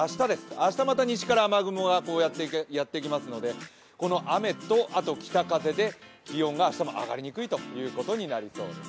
明日また西から雨雲がこうやって、やってきますので、この雨と北風で気温が明日も上がりにくいということになるんです。